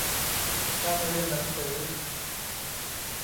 การเรียนหนังสือ